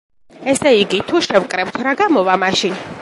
ესე იგი, თუ შევკრებთ, რა გამოვა მაშინ?